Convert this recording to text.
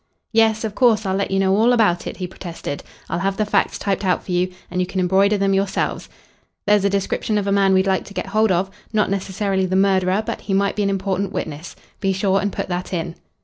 "Yes. Of course, I'll let you know all about it," he protested. "I'll have the facts typed out for you, and you can embroider them yourselves. There's a description of a man we'd like to get hold of not necessarily the murderer, but he might be an important witness. Be sure and put that in."